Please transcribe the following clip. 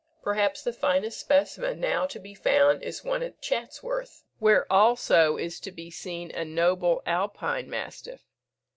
Perhaps the finest specimen now to be found is one at Chatsworth (where also is to be seen a noble Alpine mastiff).